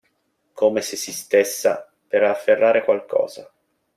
Come se si stessa per afferrare qualcosa.